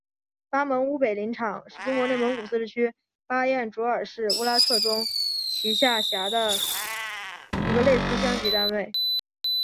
巴盟乌北林场是中国内蒙古自治区巴彦淖尔市乌拉特中旗下辖的一个类似乡级单位。